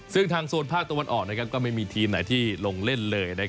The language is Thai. ซึ่งทางโซนภาคตะวันออกก็ไม่มีทีมไหนที่ลงเล่นเลย